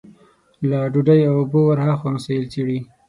له ډوډۍ او اوبو ورها مسايل څېړي.